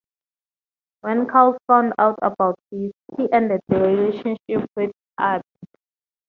When Karl found out about this, he ended the relationship with Abi.